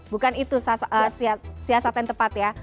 bukan itu siasatan tepat ya